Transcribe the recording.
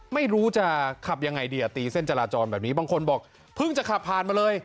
ไม่รู้จะขับยังไงดีอ่ะตีเส้นจราจรแบบนี้บางคนบอกเพิ่งจะขับผ่านมาเลย